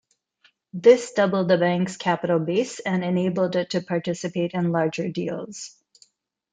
This doubled the bank's capital base and enabled it to participate in larger deals.